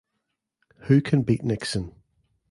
Who Can Beat Nixon?